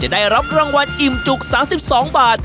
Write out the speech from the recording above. ได้รับรางวัลอิ่มจุก๓๒บาท